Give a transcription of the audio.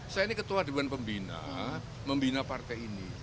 saya ini ketua dewan pembina membina partai ini